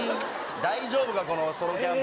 大丈夫か、このソロキャンプ。